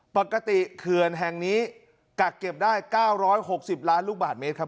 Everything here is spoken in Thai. ปกติเขื่อนแห่งนี้กักเก็บได้เก้าร้อยหกสิบล้านลูกบาทเมตรครับ